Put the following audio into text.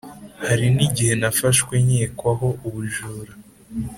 Hari n igihe nafashwe nkekwaho ubujura